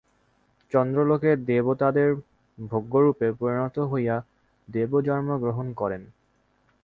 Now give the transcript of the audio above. চন্দ্রলোকে দেবতাদের ভোগ্যরূপে পরিণত হইয়া দেবজন্ম গ্রহণ করে।